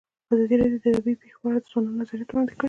ازادي راډیو د طبیعي پېښې په اړه د ځوانانو نظریات وړاندې کړي.